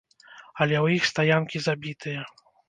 Але ў іх стаянкі забітыя!